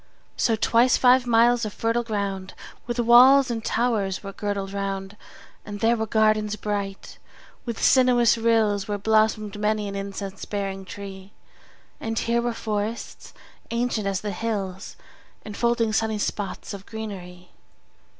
5 So twice five miles of fertile ground With walls and towers were girdled round: And there were gardens bright with sinuous rills Where blossom'd many an incense bearing tree; And here were forests ancient as the hills, 10 Enfolding sunny spots of greenery.